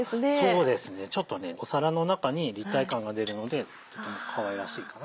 そうですねちょっと皿の中に立体感が出るのでかわいらしいかな。